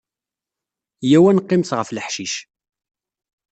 Yya-w ad neqqimet ɣef leḥcic.